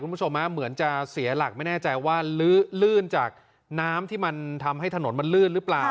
คุณผู้ชมเหมือนจะเสียหลักไม่แน่ใจว่าลื่นจากน้ำที่มันทำให้ถนนมันลื่นหรือเปล่า